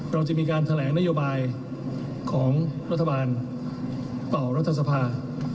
เราจะมีการแถลงนโยบายของรัฐบาลต่อรัฐสภา